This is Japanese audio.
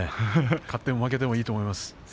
勝っても負けてもいいと思いますよ。